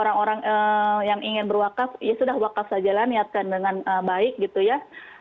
orang orang yang ingin berwakaf ya sudah wakaf saja lah niatkan dengan baik gitu ya